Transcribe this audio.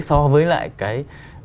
so với lại cái